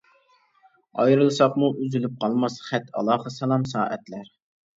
ئايرىلساقمۇ ئۈزۈلۈپ قالماس، خەت ئالاقە سالام سائەتلەر.